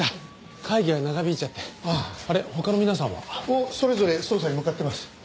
もうそれぞれ捜査に向かってます。